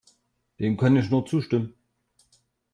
Dem kann ich nur zustimmen.